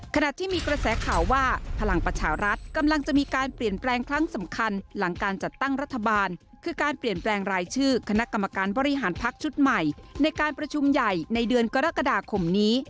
ขณะที่มีกระแสข่าวว่าพลังประชารัฐกำลังจะมีการเปลี่ยนแปลงครั้งสำคัญหลังการจัดตั้งรัฐบาลคือการเปลี่ยนแปลงรายชื่อคณะกรรมการบริหารพักชุดใหม่ในการประชุมใหญ่ในเดือนกรกฎาคมนี้